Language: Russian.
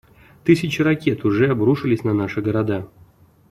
Тысячи ракет уже обрушились на наши города.